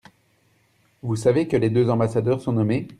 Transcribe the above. Vous savez que les deux ambassadeurs sont nommés.